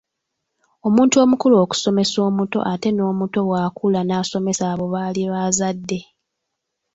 Omuntu omukulu okusomesa omuto ate n'omuto bw'akula n'asomesa abo baliba azadde.